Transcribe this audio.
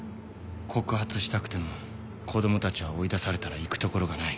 告発したくても子供たちは追い出されたら行く所がない。